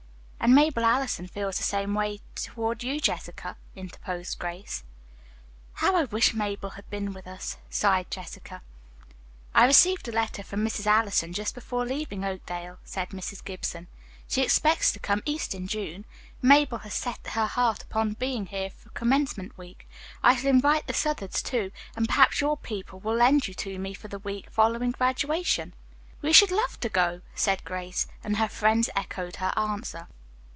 "And Mabel Allison feels the same way toward you, Jessica," interposed Grace. "How I wish Mabel had been with us," sighed Jessica. "I received a letter from Mrs. Allison, just before leaving Oakdale," said Mrs. Gibson. "She expects to come east in June. Mabel has set her heart upon being here for commencement week. I shall invite the Southards, too, and perhaps your people will lend you to me for the week following graduation." "We should love to go," said Grace, and her friends echoed her answer.